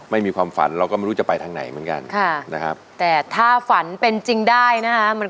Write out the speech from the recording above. สักวันจะเดินตามฝันไม่ท้อไม่วันด้วยแรงที่มี